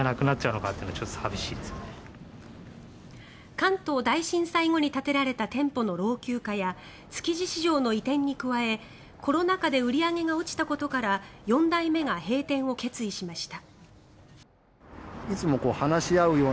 関東大震災後に建てられた店舗の老朽化や築地市場の移転に加えコロナ禍で売り上げが落ちたことから４代目が閉店を決意しました。